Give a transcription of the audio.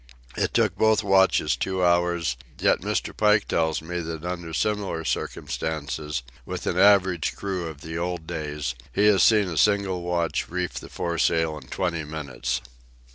It took both watches two hours, yet Mr. Pike tells me that under similar circumstances, with an average crew of the old days, he has seen a single watch reef the foresail in twenty minutes.